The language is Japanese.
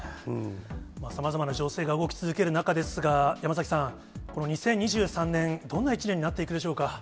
さまざまな情勢が動き続ける中ですが、山崎さん、この２０２３年、どんな一年になっていくでしょうか。